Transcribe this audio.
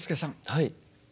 はい。